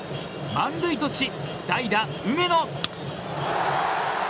満塁とし、代打、梅野。